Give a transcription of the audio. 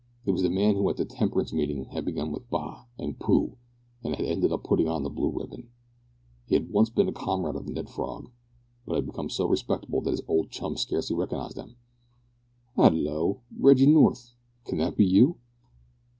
It was the man who at the temperance meeting had begun with "bah!" and "pooh!" and had ended by putting on the Blue Ribbon. He had once been a comrade of Ned Frog, but had become so very respectable that his old chum scarcely recognised him. "Hallo! Reggie North, can that be you?"